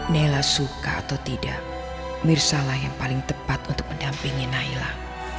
nailah suka atau tidak mirsa lah yang paling tepat untuk mendampingi nailah